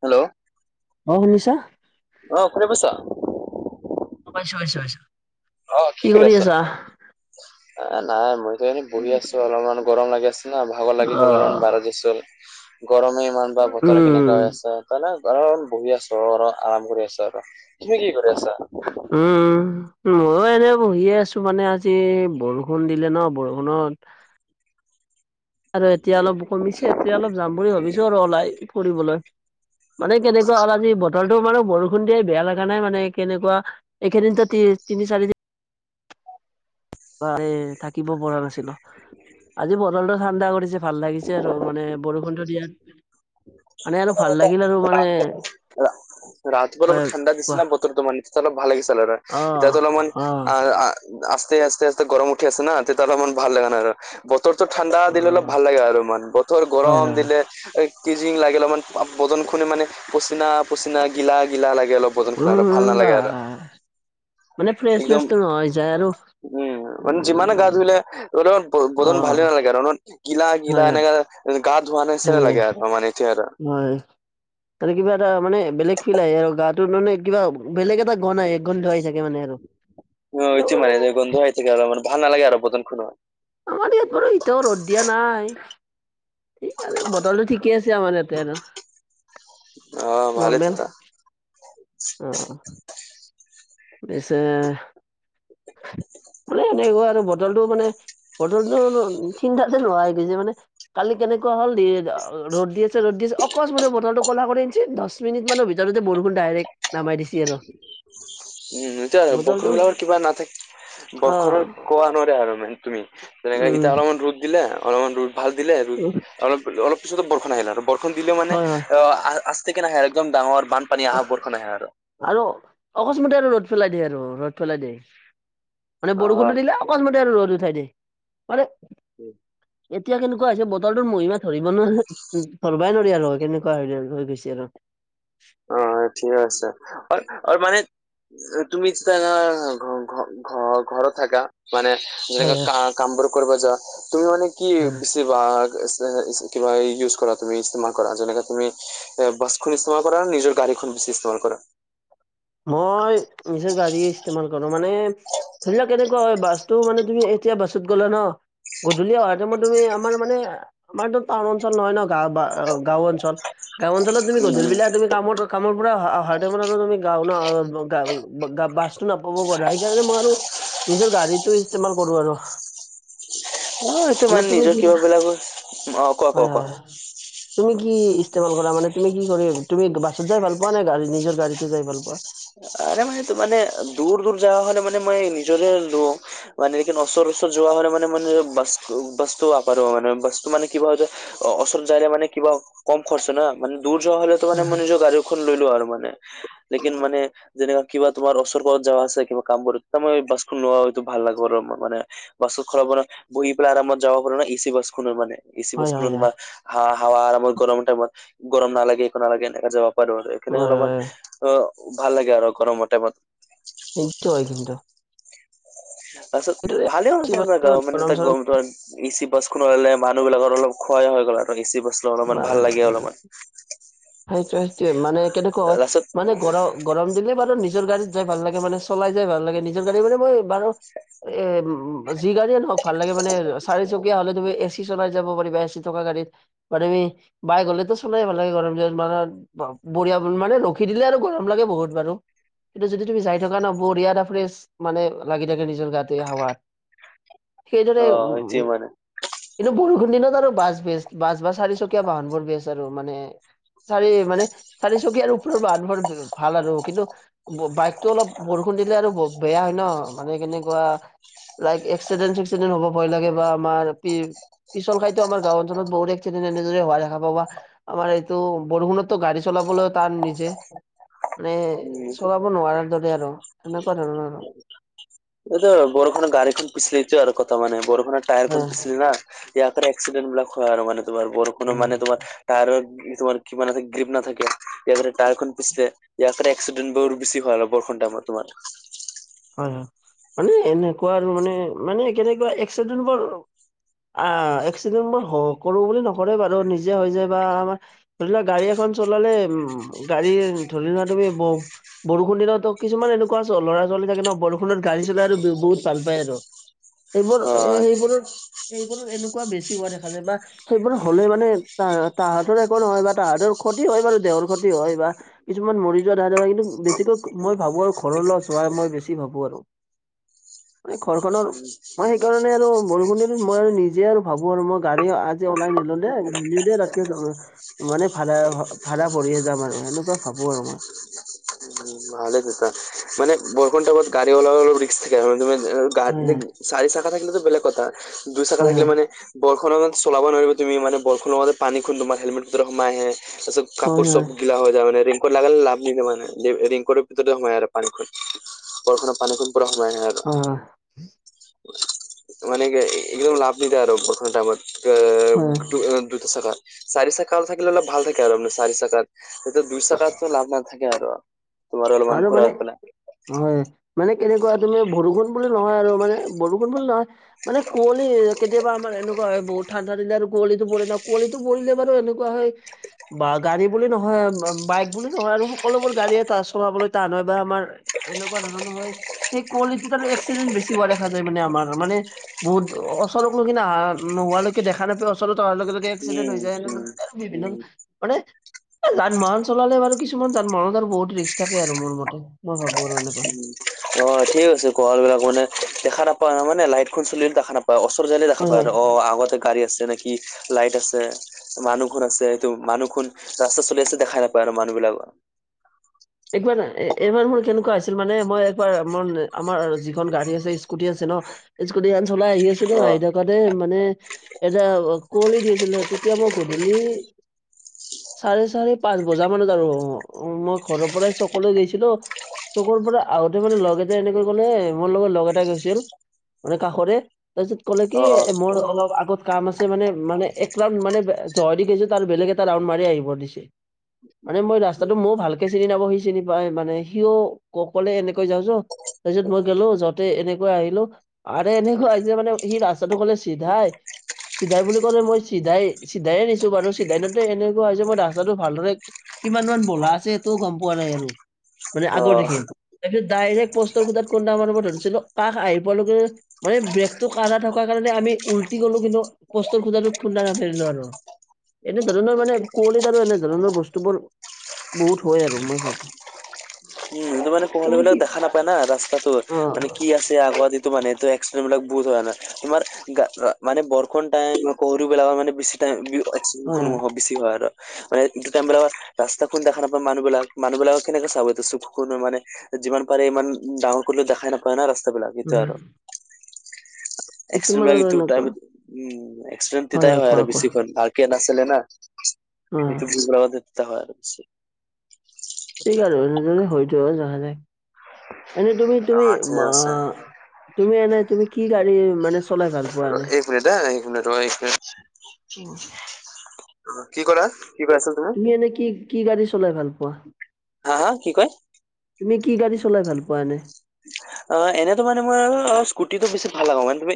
Hello. অ', শুনিছা? অ', শুনি পাইছ? অ পাইছো পাইছো পাইছো। কি কৰি আছা? [unintelligible] এ নাই মইতো এনে বহি আছো অলপমান গৰম লাগি আছে না ভাগৰ লাগি অ গ'ল অলপমান বাহিৰত গৈছিলো। গৰমে ইমান বা বতৰে কেনেক উম কৈ আছা তাৰে গৰমত বহি আছো ঘৰত আৰাম কৰি আছো আৰু, তুমি কি কৰি আছা? উম উম। ম‌ইয়ো এনেই বহিয়ে আছো মানে আজি বৰষুণ দিলে ন বৰষুণত আৰু এতিয়া অলপ কমিছে, এতিয়া অলপ যাম বুলি ভাবিছো আৰু ওলাই ফুৰিবলৈ। মানে কেনেকুৱা হ'ল আজি বতৰটো মানে বৰষুণ দিয়াই বেয়া লগা নাই মানে কেনেকুৱা এইকেইদিন টো তি তিনি চাৰিদিন [unintelligible] বাপৰে থাকিব পৰা নাছিলো, আজি বতৰটো ঠাণ্ডা কৰিছে ভাল লাগিছে আৰু মানে বৰষুণটো দিয়াত মানে আৰু ভাল লাগিল আৰু মানে ৰাতি পুৱা অলপ হয় ঠাণ্ডা কোৱা নিচিনা বতৰটো মান এতিয়াত অলপ ভাল লাগিছিলে আৰু অ', এতিয়াটো অলপমান অ', আ আ আস্তে আস্তে আস্তে গৰম উঠি আছে না তেতিয়া অলমান ভাল লাগে নাই আৰু। বতৰটো ঠাণ্ডা দিলে অলপ অ', ভাল লাগে অলপমান, বতৰ হয়, গৰম হয়, দিলে এ কেইজিং লাগে অলপমান বদনখন মানে পচিনা পচিনা গিলা গিলা লাগে অলপ। বদনখন আৰু ভাল উম, বা নালাগে আৰু মানে একদম ফ্ৰেছনেছটো নহয় যায় আৰু উম মানে যিমানে গা উম, ধুলে ধুলো ব বদন ভালে অ', নালাগে আৰু ন, গিলা গিলা হয়, হয়, এনেকা গা ধুৱা নাই নিচিনা হয়, লাগে আৰু মানে এতিয়া আৰু হয়। তাতে কিবা এটা মানে বেলেগ ফিল আহে আৰু গাটোৰ মানে কিবা বেলেগ এটা গোন্ আহ গোন্ধ আহি থাকে মানে আৰু উম, এইটো মানে গন্ধ আহি থাকে মানে ভাল নালাগে আৰু বদনখনত। আমাৰ ইয়াত বাৰু এতিয়াও ৰ'দ দিয়া নাই। এ আজি বতৰ টো ঠিকে আছে আমাৰ ইয়াতে আৰু। অ ভালে নৰৰ্মেল, তেতিয়া অ অ। [unintelligible] [unintelligible] বোলে এনেকুৱা আৰু বতৰটো মানে বতৰটো থিং থাকে নোহোৱা গৈছে মানে কালি কেনে- কুৱা হ'ল, ৰ'দ দি আছে ৰ'দ দি আছে অকস্মাতে বতৰটো ক'লা কৰি আনিছে দছ মিনিট মানৰ ভিতৰতে বৰষুণ ডাইৰেক্ট নামাই দিছে আৰু উম, এতিয়া বটলটো বৰষূণ বিলাকৰ কিবা নাথাকে অ বৰষুণৰ কোৱা নোৱাৰে আৰু মানে তুমি তেনেকে উম এতিয়া অলপমান ৰ'দ দিলে অলপমান ৰ'দ ভাল দিলে আৰু উম, অলপ অলপ পিছত বৰষূণ আহিলে আৰু বৰষূণ দিলে মানে হয় হয় অ' আ আ- ষ্টেকে নাহে আৰু একদম ডাঙৰ বান- উহ, আৰু অকস্মাতে আৰু ৰ'দ পেলাই দিয়ে আৰু ৰ'দ পেলাই দিয়ে মানে অ', বৰষুণটো দিলে অকস্মাতে ৰদ উঠাই দিয়ে, মানে উম। এতিয়া কেনেকুৱা হৈছে বতৰটোৰ মহিমা ধৰিব নোৱাৰি ধৰবাই নোৱাৰি আৰু কেনেকুৱা হয় হৈ গৈছে আৰু অ', ঠিকেই আছে, অ অ মানে তুমি [unintelligible] ঘ-ঘ-ঘ-ঘৰত থাকা। মানে হয় যেনে হয় কা-কাম বোৰ কৰিব যোৱা, তুমি মানে কি হয়। বেছি [unintelligible] [unintelligible] কিবা ইউজ কৰা তুমি ইস্তেমাল কৰা যেনেকে তুমি এ বাচখন ইস্তেমাল কৰা নিজৰ গাড়ীখন বেছি ইষ্টেমাল কৰা? মই নিজৰ গাড়ীয়ে ইষ্টেমাল কৰোঁ, মানে ধৰি লোৱা কেনেকুৱা হয় বাছটো মানে তুমি এতিয়া বাছত গ'লা ন। গধূলি অহাৰ টাইমত তুমি আমাৰ মানে আমাৰতো টাউন অঞ্চল নহয় ন গা-বা-গাঁও অঞ্চল। গাওঁ অঞ্চলত তুমি উম উম গধূলিবিলাক তুমি কামত কামৰ পৰা অহা-অহা টাইমত আৰু তুমি গাঁও ন [unintelligible] বাচটো নাপাব পাৰা, হেইকাৰনে মই আৰু নিজৰ গাড়ীটোয়ে ইষ্টেমাল কৰোঁ আৰু। অ', সেইটো এনে মানে তুমি নিজৰ কি কিবা কৰা বলাকো অ', কোৱা হয় কোৱা হয় কোৱা হয়। তুমি কি ইষ্টেমাল কৰা মানে তুমি কি কৰি তুমি বাছত যাই ভাল পোৱা নে গাড় নিজৰ গাড়ীত যাই ভাল পোৱা? আৰে মানে মানে দূৰ দূৰ যাবা হলে মানে মই নিজৰে লওঁ। মানে একিন ওচৰ ওচৰ যোৱা হলে মানে মানে বাচটো বাৰো মানে বাচটো মানে কিবা হয় যে অ', ওচৰত যায়লে মানে কিবা কম খৰচ ন, মানে দূৰ যোৱা হলে টো মানে হয় মই হয় নিজৰ গাড়ীখন লৈলো আৰু মানে, লেকিন মানে যেনেকা কিবা তোমাৰ ওচৰত কৱা যাৱা আছে কিবা কাম কৰিম, তেতিয়া মই বাছখন নোৱা হয়তো ভাল লাগে আৰু মানে বাছত [unintelligible] বহি পেলাই আৰামত যাব পাৰো ন এ চি বাছ খন মানে। এ চি হয় বাচ হয় হয় তুমাৰ হা-হাৱা আৰামত গৰমৰ টাইমত গৰম নালাগে একো নালাগে এনেকে জাব পাৰোঁ আৰু এইখিনি হয় অলপমান হয়, অ', ভাল লাগে আৰু গৰমৰ টাইমত। এইটো হয় কিন্তু। তাৰ পাছত কিন্তু ভালেও বেছি আছে আমাৰ বছৰ গাঁৱ মানে গৰম তাক চৰম গম তাৰ এ চি বাছখনলে মানুহ বিলাকৰ অলপ [unintelligible] হৈ গ'ল আৰু এচি বাচ বা সেইটোৱে সেইটোৱে মানে কেনেকুৱা হয় লাষ্টত মানে গৰ গৰম দিনে বাৰু নিজৰ গাড়ীত যাই ভাল লাগে মানে চলাই যাই ভাল লাগে নিজৰ গাড়ী মানে মই বাৰু এ উম, যি গাড়িয়ে নহওক ভাল লাগে মানে চাৰি চকীয়া হলে তুমি এ চি চলাই যাব পাৰিবা এ চি থকা গাড়ীত বা তুমি বাই গ'লেটো চলাই ভাল লাগে গৰম দিনত মানে বঢ়িয়া মানে, ৰখি দিলে আৰু গৰম লাগে বহুত বাৰু। কিন্তু যদি তুমি যাই থকা ন বৰ ইয়াৰা ফ্ৰেছ মানে লাগি থাকে নিজৰ গাটোৱে হাৱাত। সেইদৰে অ এইটোৱে উম, মানে কিন্তু বৰষুণ দিনত আৰু বাছ বেচ বাছ বাছ চাৰি চকীয়া বাহনবোৰ বেছ আৰু মানে চাৰি মানে, চাৰি চকী আৰু ওপৰৰ বাহনবোৰ ভাল আৰু কিন্তু বাইকতটো অলপ বৰষুণ দিলে আৰু বেয়া হয় ন মানে কেনেকুৱা লাইক এক্সিডেণ্ট চিক্সিডেণ্ট হ'ব ভয় লাগে বা আমাৰ পি-পিছল খাইতো আমাৰ গাওঁঅঞ্চলত বহুতে তেনেদৰে যদি হোৱা দেখা পাওঁ বা আমাৰ এইটো বৰষুণতো গাড়ী চলাবলৈ তাৰ নিজে মানে উম চলাব নোৱাৰাৰ দৰে আৰু সেনেকুৱা ধৰণৰ আৰু। এইটো বৰষুণৰ গাড়ী খন পিছিলিটো আৰু কথা মান বৰষুণৰ টায়াৰ খন হয় পিছলি ন। [unintelligible] এক্সিদেন বিলাক হয় আৰু মানে তোমাৰ বৰষুণৰ হয় মানে তোমাৰ টায়াৰৰ তোমাৰ কিবা নাথাকে গ্ৰ্ৰীপ নাথাকে। ইয়াৰ মানে টায়াৰখন পিছলে ইয়াৰ কাৰণে এক্সিডেন বোৰ বছি হয় আৰু, বৰষণ টাইমত তোমাৰ। হয় হয়, মানে এনেকুৱা আৰু মানে মানে কেনেকুৱা এক্সিডেণ্টবোৰ আ, এক্সিডেণ্টবোৰ হ-কৰো বুলি নকৰে বাৰু নিজে হৈ যায় বা আমাৰ ধৰি লোৱা গাড়ী এখন চলালে উম, গাড়ী ধৰি লোৱা তুমি ব বৰষুণ দিনতো কিছুমান এনেকুৱা আছে ল'ৰা চলি থাকে ন বৰষুণত গাড়ী চলাই আৰু বহুত ভাল পায় আৰু। সেইবোৰ অ এ সেইবোৰত এইবোৰো এনেকুৱা বেছি হোৱা দেখা যায় বা সেইবোৰ হ'লে মানে তাহ তাহাঁতৰ একো নহয় বা তাহাঁতৰ ক্ষতি হয় বাৰু দেহৰ ক্ষতি হয় বা কিছুমান মৰি যোৱা দেখা যায়। কিন্তু বেছিকৈ মই ভাবো আৰু ঘৰৰ লৰা [unintelligible] মই বেছি ভাবো আৰু। মান ঘৰখনৰ মই সেইকাৰণে আৰু বৰষুণ মই আৰু নিজে আৰু ভাবো আৰু মই গাড়ী আজি ওলাই নিলো দে ধুনও দ দে মানে ভাড়া ভাড়া কৰিয়ে যাম আৰু সেনেকুৱা ভাবো আৰু মই। উম ভালে [unintelligible] মান বৰকণ্টা বৰত গা়ী লল ব্ৰ থ ম তুমি হয় [unintelligible] চাৰি থাকা থাকিলেতো বেলেগ কথা দুই চাকা হয় থাকিলে হয় মানে বৰষনৰত চলাব নোৱাৰিব তুমি মানে বৰষণ লগতে পানী খুন্দ তোমাৰ হেলমেট পতৰ সোমাই আহে তাৰিছত কাপোৰ হয় চব হয় গিলা হৈ যায় মানে। ৰিংককৰ ল লগালে লাভ নিদিয়ে মানে। ৰিংকৰৰ ভিতৰততে হয়য় আৰু পানীখন বৰষুত পানীখন পুৰা সোমাই নাই আৰু হয় হয় মানে কি একদম লাভ নিদিয় আৰু [unintelligible] হয় হয় দুটা চাকাত চাৰি চাকাল থাকিলে অলপ ভাল থাকে আৰু আপোনাৰ চাৰি চাকাত এইটো দুই চাকাত লাভ নাথাকে আৰু। তোমাৰ অলপমান আৰু ঘূৰা মানে ফালে হয় মানে কেনেকুৱা তুমি বৰষুণ বুলি নহয় আৰু মানে বৰষুণ বুলি নহয় মানে কঁৱলি, কেতিয়াবা আমাৰ এনেকুৱা হয় বহু ঠাণ্ডা দিলে আৰু কঁৱলীটো পৰে ন? কঁৱলীটো পৰিলে বাৰু এনেকুৱা হয় বা গাড়ী বুলি নহয় বাইক বুলি নহয় আৰু সকলোবোৰ গাড়ী এটা আছে চলাবলৈ টান হয় বা আমাৰ এনেকুৱা ধৰণৰ হয়। সেই কুঁৱলীটোত আৰু এক্সিডেণ্ট বেছি হোৱা দেখা যায়। মানে বহুত ওচৰৰত লৈ কিনা নোহোৱৈকে দেখা নাপায়, ওচৰত অহাৰ লগে লগে এক্সিডেণ্ট উম, হৈ যায়। এনে উম, বিভিন্ন উম, মানে যান বাহন চলালে বাৰু কিছুমান যান বাহনত আৰু বহুত ৰিক্স তাকে আৰু মোৰ মতে। মই ভাবো আৰু এনেকুৱা। উম। অ ঠিকে কৈছে [unintelligible] বিলাক মানে দেখা নাপায়, মানে লাইটখন [unintelligible] ওচৰ যায়কিনে দেখা পায় আৰু, অ আগতে গাড়ী আছে নেকি লাইট আছে মানুহ খন আছে সটো মানুহ খন ৰাস্তা চলি আছে দেখাই নাপায় আৰু মানুহ বিলাকৰ একবাৰ এইবাৰ মোৰ কেনেকুৱা আছিল মানে মই একবাৰ মই আমাৰ যিখন গাড়ী আছে, স্কুটি আছে ন? স্কুটি খন চলাই আহি আছিলোঁ। অ', আতে মানে এটা কুঁৱলী দিছিলে, তেতিয়া মই গধূলি চাৰে চাৰি পাঁচ বজা মানত আৰু মই ঘৰৰ পৰাই চকোলৈ গৈছিলোঁ। চকুৰ পৰা আহোতে মানে লগ এটাই এনেকৈ ক'লে, মোৰ লগত লগ এটা গৈছিল মানে কাষৰে তাৰপিছত কলে কি অ', এ মোৰ অলপ আগত কাম আছে মানে মানে একলাগ মানে জ দিছে ত আৰু বেলেগ এটা ৰাউণ্ড মাৰি আহিব দিছে। মানে মই ৰাস্তাটো মইয়ো ভাল তে চিনি নাব সি চিনি পাই মানে। সিও ককলে এনেকৈ যাওঁ জো তাৰ পিছত মই গলো যতে এনেকৈ আহিলোঁ। আৰু এনেকুৱা আ যে মানে সি ৰাস্তাটো কলে চিধাই চিধাই বুলি ক'লে মই চিধাই চিধাইে আছোঁ বাৰু। চিধাই নত এনেকুৱা হয় যে মই ৰাস্তাটো ভালদৰে কিমান মান বলা আছে সেইটোও গম পোৱা নাই আৰু। মানে অ', আগৰ অ'। দেখিন তাৰপিছত ডাইৰেক্ট পোষ্টৰ খুটাত খুন্দা মাৰিবলৈ ধৰিছিলোঁ। কাষ আহি পোৱা লৈকে মানে ব্ৰেকটো কাৰা থকাৰ কাৰণে আমি উলটি গ'লো, কিন্তু পষ্টৰ খুটাটোত খুন্দা নামাৰিলো আৰু। এনে ধৰণৰ মানে কুঁৱলীিত আৰু এনে ধৰণৰ বস্তু বোৰ বহুত মই আৰ মই উম, এইটো মানে ভাবো কোমল তুমি বিলাক কি দেখা নাপায় না ৰাস্তাটো অ মানে কি আছে আগুৱাটিটো মানে এইটো এক্সিডেণ্ট বিলাক বহুত হয় মানে তোমাৰ গা আ মানে বৰষুণ টাইম গৰুবিলাকৰ মানে বেছি টাইম বিও হয় এক্সিডেণ্টখন হয় হব বেছি হয় আৰ মানে ইটো টাইম বিলাকৰ ৰাস্তাখন দেখা নাপায় মানুহবিলাক মানুহবিলাক কেনেকে চাব চুখো খনো মানে যিমান পাৰে ইমান ডাঙৰ কৰিলেও দেখাই নাপায় না ৰাস্তা বিলাক এটো উম আৰ এক্সিডেণ্ট বিলাক কিছুমানৰ এটো এনেকুৱা টাইমত উম এক্সিডেণ্ট দিতাই হয় আৰু বেছি খন ভাগ কেন আছিলে না অ এইটো [unintelligible] হয় আৰ বেছি [unintelligible] এনেই তুমি তুমি অ', ঠিক মা আছে তুমি এনে তুমি কি গাড়ী মানে চলাই ভাল পোৱা এনে [unintelligible] অ অ কি কলা কি কৈ আছিলা তুমি এনে কি কি গাড়ী চলাই ভাল পোৱা হা হা কি কয় তুমি কি গাড়ী চলাই ভাল পোৱা এনে অ এনেতো মানে মই আৰু স্কুটিটো বেছি ভাল লাগা মানে তুমি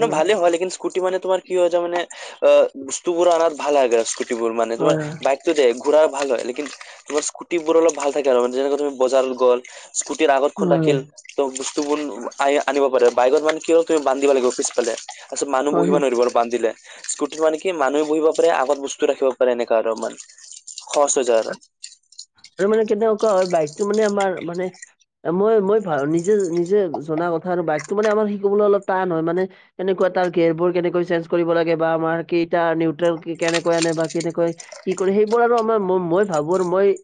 অ ভালে হয় লেকিন স্কু স্কুটি মানে তোমাৰ কি হয় তামানে আ বস্তুবোৰ আনাত ভাল হয় স্কুটিবোৰ মানে তোমাৰ হয় হয় বাইক টোদে ঘুৰাৰ ভাল হয় লেকিন তোমাৰ স্কুটিবোৰ অলপ ভাল থাকে আৰু যেনেকা তুমি বজাৰত গল স্কুটিৰ আগতখোন হয় হয় ৰাখিল ত বস্তুবোৰ আই আনিব পাৰে বাইকত মানে কিয় হয় তুমি বান্ধিব লাগিব পিছফালে তাৰপিছত মানুহ হয় হয় বহিব নোৱাৰিব আৰু বান্ধিলে স্কুটিত মানে কি মানুহে বহিব পাৰে আগত বস্তু ৰাখিব পাৰে এনেকা অলপমান সহচ হৈ যায় আৰ আৰু মানে কেনেকুৱা হয় বাইকটো মানে আমাৰ মানে মই মই ভা নিজে নিজে জনা কথা আৰু বাইকটো মানে আমাৰ শিকিবলৈ অলপ টান হয় মানে কেনেকুৱা তাৰ গেৰবোৰ কেনেকৈ চেঞ্জ কৰিব লাগে বা আমাৰ কেইটা নিউট্ৰেল কেনেকৈ আনে বা কেনেকৈ কি কৰে সেইবোৰ আৰু আমাৰ ম মই ভাবো আৰু মই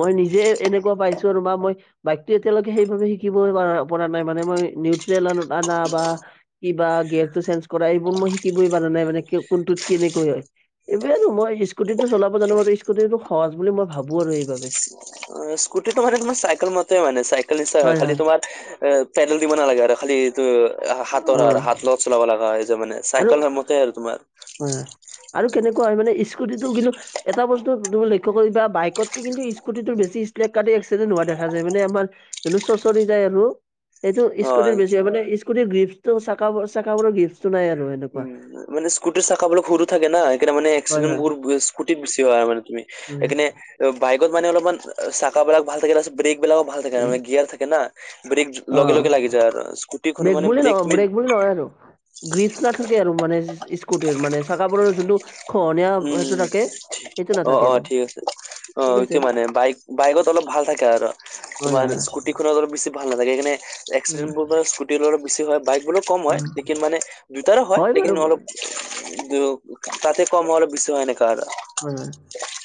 মই নিজে এনেকুৱা পাইছোঁ ৰবা মই বাইকটো এতিয়ালৈকে সেই ভাবে শিকিবই পাৰা পৰা নাই মানে মই নিউট্ৰেল আনা বা কিবা গেৰটো চেঞ্জ কৰা এইবোৰ মই শিকিবই পৰা নাই মান কে কোনটোত কেনেকৈ হয় এইবো এ আৰু মই স্কুটিটো চলাব জানো বাবে স্কুটিটো সহজ বুলি মই ভাবো আৰু এইবাবে অ স্কুটিটো মানে তোমাৰ চাইকেল মতে মানে চাইকেল নিচা হয় খালি তোমাৰ এ পেডেল দিব নালাগে আৰু খালি এইটো হাতৰ আৰ হাত অ' লগত চলাব লগা এই যে মানে চাইকেল তে আৰু তোমাৰ উম আৰু কেনেকুৱা হয় মানে স্কুটিটো কিন্তু এটা বস্তু তুমি লক্ষ্য কৰিবা বাইকতকে কিন্তু স্কুটিটো বেছি স্কেক কাণে এক্সিডেণ্ট হোৱা দেখা যায় মানে আমাৰ যোনটো চচৰি যায় আৰু সেইটো অ স্কুটিৰ বেছি মানে স্কুটিৰ গ্ৰিপচটো চাকাবোৰ চাকাবোৰৰ গ্ৰিপচো নাই আৰু উম এনেকুৱা মানে স্কুটিৰ চাকাবোলাক সৰু থাকে না কেটা মানে হয় এক্সিডেট হয় বোৰ স্কুটিত বেছি হয় মানে তুমি একেনে হয় আৰ বাইকত মানে অলপমান চাকা বিলাক ভাল থাকে তাছত ব্ৰেক বিলাকো ভাল থাকে না মানে গিয়াৰ থাকে না ব্ৰেক লগে অ' লগে লাগি যায় আৰু স্কুটি খনো মানে ব্ৰেক লি গ্ৰীপচ নাথাকে আৰু মানে স্কুটিৰ মানে চাগাবোৰৰ যোনটো খহনীয়া সেইটো উম থাকে সেইটো অ অ নাথাকে আৰু ঠিক আছে অ ঠিক কি আছে মানে বাইক বাইকত অলপ ভাল থাকে আৰু হয় তোমাৰ হয় হয় স্কু টি কোনো বেছি ভাল নালাগে সেইকাৰণে উম এক্সিডেণ্টবোৰ [inaudible] বেছি ভাল। বাইক বুলো কম হয় উম। লেকিন মানে দুটাৰো হয় বাৰু লেকিন অলপ হয় ত তাতে কমৰ কিছু এনেকাৰ [unintelligible] [inaudible]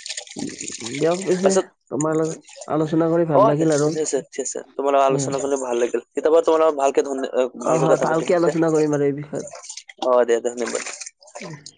দিয়ক পিছে তাৰপিছত তোমাৰ লগত আলোচনা কৰি অ ভাল লাগিল আৰু ঠিক হয় আছে, ঠিক আছে তোমালোকৰ আলোচনা কৰি ভাল লাগিল। কেতিয়াবা তোমাৰ লগত ভালকে ধ না আ অ ভালকে হয় কথা পাতিম দে। আলোচনা কৰিম আৰু এই অ দে দে দে বাকী। উম